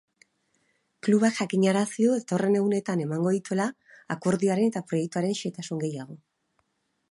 Klubak jakinarazi du datorren egunetan emango dituela akordioaren eta proiektuaren xehetasun gehiago.